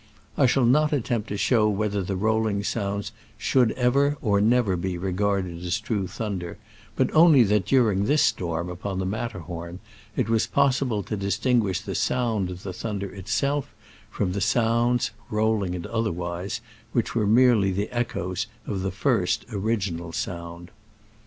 I shall not attempt to show whether the rolling sounds should ever or never be regarded as true thunder, but only that during this storm upon the Matterhorn it was possible to distinguish the sound of the thunder itself from the sounds (rolling and otherwise) which were merely the echoes of the first, original sound.